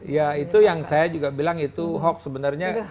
ya itu yang saya juga bilang itu hoax sebenarnya